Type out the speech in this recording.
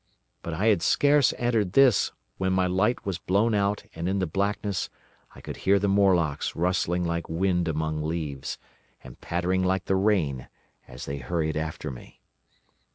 But I had scarce entered this when my light was blown out and in the blackness I could hear the Morlocks rustling like wind among leaves, and pattering like the rain, as they hurried after me.